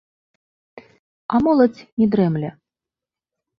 А моладзь не дрэмле.